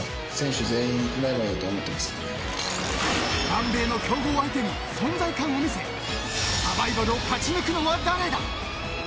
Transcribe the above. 南米の強豪相手に存在感を見せサバイバルを勝ち抜くのは誰だ。